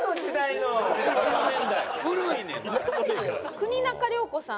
国仲涼子さん